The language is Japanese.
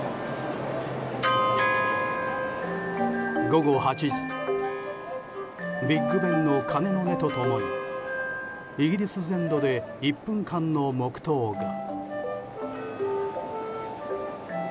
午後８時ビッグベンの鐘の音と共にイギリス全土で１分間の黙祷が。